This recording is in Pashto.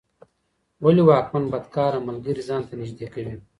ولي واکمن بدکاره ملګري ځان ته نږدې کوي؟